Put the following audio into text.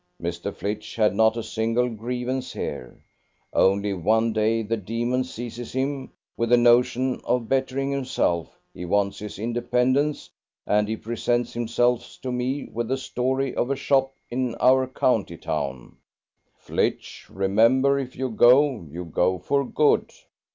Mr. Flitch had not a single grievance here; only one day the demon seizes him with the notion of bettering himself he wants his independence, and he presents himself to me with a story of a shop in our county town. Flitch! remember, if you go you go for good.